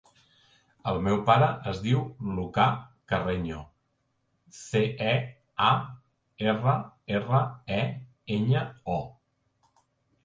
El meu pare es diu Lucà Carreño: ce, a, erra, erra, e, enya, o.